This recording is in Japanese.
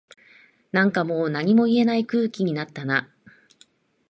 なんかもう何も言えない空気になったな